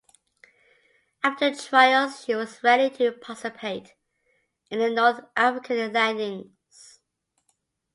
After trials, she was ready to participate in the North African landings.